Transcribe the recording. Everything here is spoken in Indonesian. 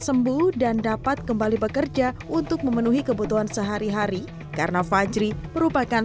sembuh dan dapat kembali bekerja untuk memenuhi kebutuhan sehari hari karena fajri merupakan